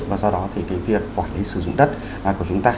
và do đó thì cái việc quản lý sử dụng đất của chúng ta